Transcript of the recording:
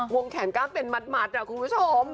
งแขนกล้ามเป็นมัดคุณผู้ชม